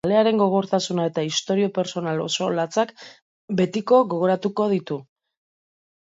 Kalearen gogortasuna eta istorio pertsonal oso latzak betiko gogoratuko ditu.